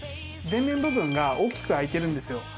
前面部分が大きく開いてるんですよ。